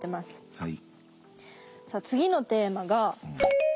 はい。